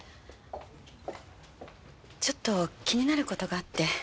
ちょっと気になる事があって。